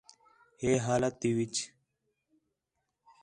ہے حالت تی وِچ